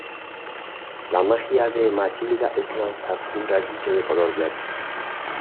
La magia de Matilda es lanzar un rayito de color verde.